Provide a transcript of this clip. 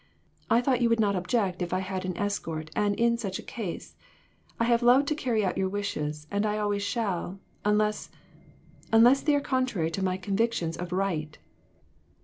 I thought you would not object if I had an escort, and in such a case. I have loved to carry out your wishes and I always shall unless unless they are contrary to my convic tions of right."